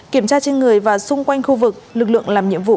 kiểm tra trên người và xung quanh khu vực lực lượng làm nhiệm vụ